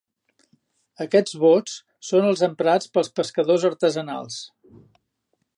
Aquests bots són els emprats pels pescadors artesanals.